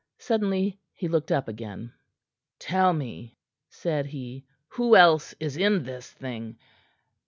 Suddenly he looked up again. "Tell me," said he. "Who else is in this thing?